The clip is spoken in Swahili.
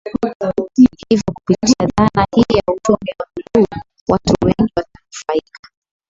Hivyo kupitia dhana hii ya uchumi wa Buluu watu wengi watanufaika